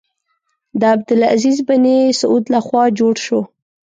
د عبدالعزیز بن سعود له خوا جوړ شو.